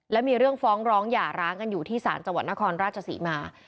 และมีเรื่องฟ้องร้องหญ่าร้างกันอยู่ที่สารจวันส์นครราชสิมา